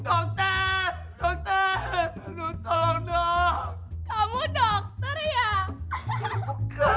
orang gila memang tidak akan ngaku dirinya gila